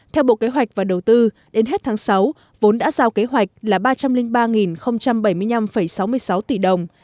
theo bộ kế hoạch và đầu tư đến hết tháng sáu vốn đã giao kế hoạch là ba trăm linh ba bảy mươi năm sáu mươi sáu tỷ đồng